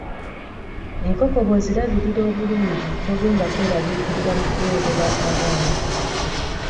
Enkoko bw'ozirabirira obulungi togenda kweralikirira mu kuweerera abaana.